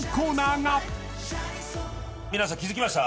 皆さん気付きました？